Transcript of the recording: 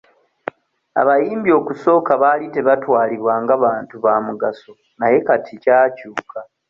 Abayimbi okusooka baali tebaatwalibwa nga bantu ba mugaso naye kati kyakyuka.